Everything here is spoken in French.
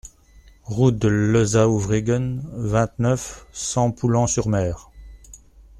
Route de Lezaouvreguen, vingt-neuf, cent Poullan-sur-Mer